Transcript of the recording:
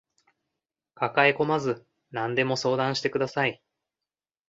抱えこまず何でも相談してください